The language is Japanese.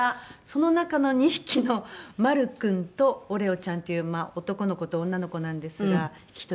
その中の２匹のマル君とオレオちゃんっていう男の子と女の子なんですが引き取りまして。